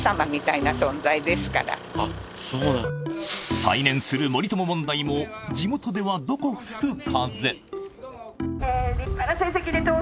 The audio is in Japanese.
再燃する森友問題も地元ではどこ吹く風。